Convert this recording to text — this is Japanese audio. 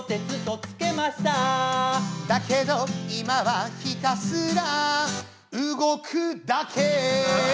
「だけど今はひたすら」「動くだけ」